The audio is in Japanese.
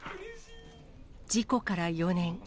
事故から４年。